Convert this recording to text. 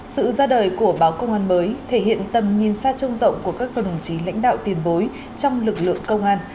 sự ra đời của báo công an mới thể hiện tầm nhìn xa trông rộng của các đồng chí lãnh đạo tiền bối trong lực lượng công an